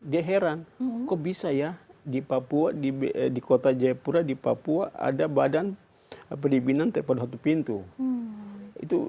dia heran kok bisa ya di kota jayapura di papua ada badan perizinan terpadu satu pintu